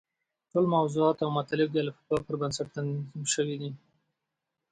ټول موضوعات او مطالب د الفباء پر بنسټ تنظیم شوي دي.